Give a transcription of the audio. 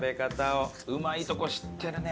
うまいとこ知ってるね！